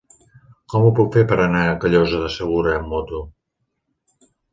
Com ho puc fer per anar a Callosa de Segura amb moto?